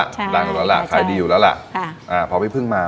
ใช่นานกว่าแล้วล่ะขายดีอยู่แล้วล่ะค่ะอ่าพอพี่พึ่งมา